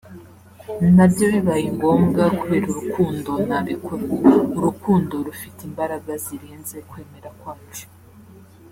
nabyo bibaye ngombwa kubera urukundo nabikora; urukundo rufite imbaraga zirenze kwemera kwacu